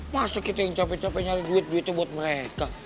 masa kita yang cape cape nyari duit duit buat mereka